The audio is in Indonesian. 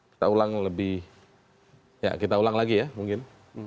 kita ulang lebih ya kita ulang lagi ya mungkin